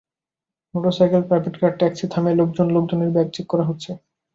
Motorcycle, private car, taxi থামিয়ে থামিয়ে লোকজনের ব্যাগ চেক করা হচ্ছে।